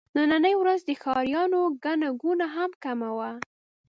نننۍ ورځ د ښاريانو ګڼه ګوڼه هم کمه وه.